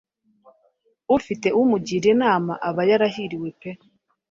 Ufite umugira Inama aba yarahiriwe pe.